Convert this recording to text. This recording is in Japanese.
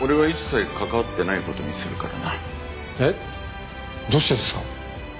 えっ？どうしてですか？